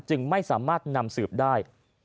จึงไม่สามารถนำสืบได้